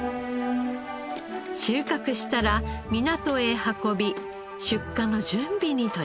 収穫したら港へ運び出荷の準備に取りかかります。